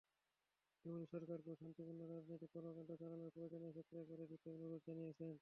তেমনি সরকারকেও শান্তিপূর্ণ রাজনৈতিক কর্মকাণ্ড চালানোর প্রয়োজনীয় ক্ষেত্র করে দিতে অনুরোধ জানিয়েছে।